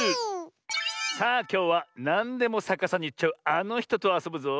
さあきょうはなんでもさかさにいっちゃうあのひととあそぶぞ。